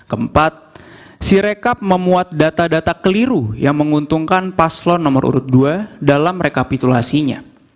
keempat si rekap memuat data data keliru yang menguntungkan paslon nomor urut dua dalam rekapitulasinya